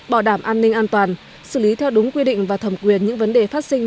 bảo đảm an ninh an toàn xử lý theo đúng quy định và thẩm quyền những vấn đề phát sinh